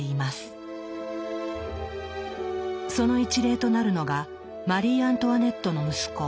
その一例となるのがマリー・アントワネットの息子